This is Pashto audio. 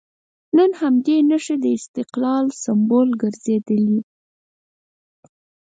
نن همدې نښې د استقلال سمبول ګرځېدلي.